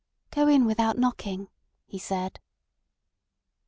"Go in without knocking," he said.